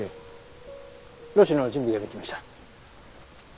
濾紙の準備ができました。